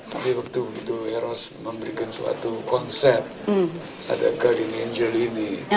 tapi waktu itu eros memberikan suatu konsep ada garden angel ini